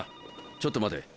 ちょっと待て。